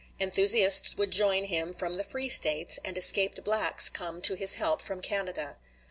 Enthusiasts would join him from the free States, and escaped blacks come to his help from Canada.